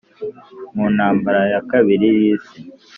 mu ntambara ya kabiri y’isi